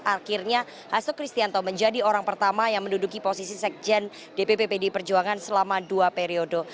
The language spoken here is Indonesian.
akhirnya hasto kristianto menjadi orang pertama yang menduduki posisi sekjen dpp pdi perjuangan selama dua periode